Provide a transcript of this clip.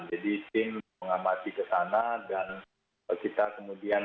jadi sing mengamati ke sana dan kita kemudian